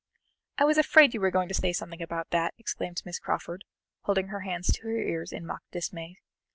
"I was afraid you were going to say something about that!" exclaimed Miss Crawford, holding her hands to her ears in mock dismay.